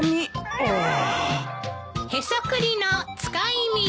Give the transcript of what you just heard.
ああ。